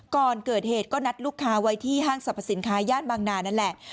ก่อนเกิดเหตุก็นัดลูกค้าไว้ที่ห้างสรรพสินค้าย่านบางนานั่นแหละ